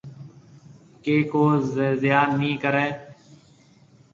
ڪہ ڪو ضيان نِي ڪرَي